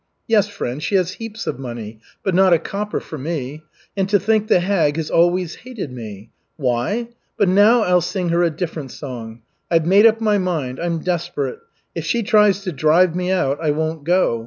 Yes, friend, she has heaps of money, but not a copper for me. And to think the hag has always hated me. Why? But now I'll sing her a different song. I've made up my mind. I'm desperate. If she tries to drive me out, I won't go.